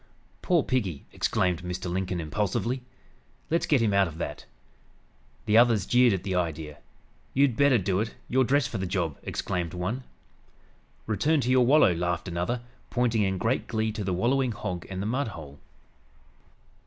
"Poor piggy!" exclaimed Mr. Lincoln impulsively. "Let's get him out of that." The others jeered at the idea. "You'd better do it. You're dressed for the job!" exclaimed one. "Return to your wallow!" laughed another, pointing in great glee to the wallowing hog and the mudhole.